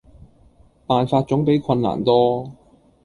辦法總比困難多